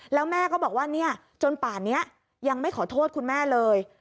แล้วแม่ก็บอกว่าเนี่ยจนป่านนี้ยังไม่ขอโทษคุณแม่เลย